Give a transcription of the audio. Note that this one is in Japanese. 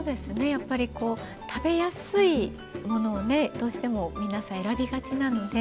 やっぱりこう食べやすいものをねどうしても皆さん選びがちなので。